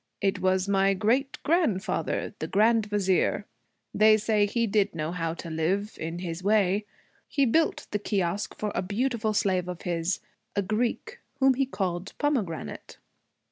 'It was my great grandfather, the Grand Vizier. They say he did know how to live in his way. He built the kiosque for a beautiful slave of his, a Greek, whom he called Pomegranate.'